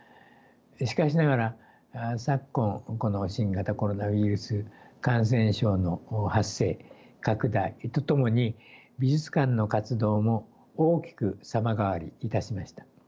しかしながら昨今この新型コロナウイルス感染症の発生拡大とともに美術館の活動も大きく様変わりいたしました。